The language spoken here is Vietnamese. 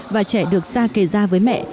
và trẻ được da kề da với mẹ